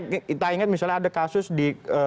kita ingat misalnya ada kasus di